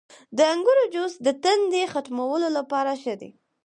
• د انګورو جوس د تندې ختمولو لپاره ښه دی.